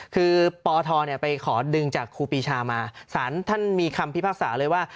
คือปทไปขอดึงจากครูปีชามาสารท่านมีคำพิพากษาเลยว่า